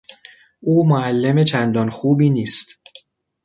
او معلم چندان خوبی نیست.